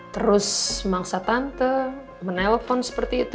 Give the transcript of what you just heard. terus mangsa tante menelpon seperti itu